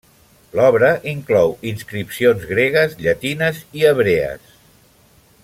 L'obra inclou inscripcions gregues, llatines i hebrees.